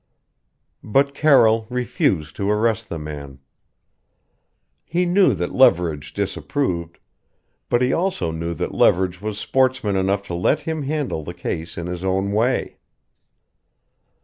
But Carroll refused to arrest the man. He knew that Leverage disapproved, but he also knew that Leverage was sportsman enough to let him handle the case in his own way.